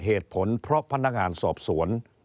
เหตุผลเพราะพนักงานสอบสวน